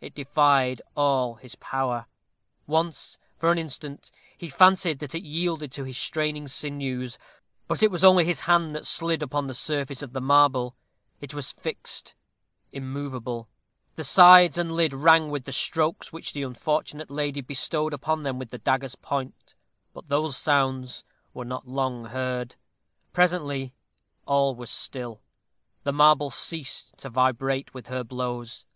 It defied all his power. Once, for an instant, he fancied that it yielded to his straining sinews, but it was only his hand that slided upon the surface of the marble. It was fixed immovable. The sides and lid rang with the strokes which the unfortunate lady bestowed upon them with the dagger's point; but those sounds were not long heard. Presently all was still; the marble ceased to vibrate with her blows.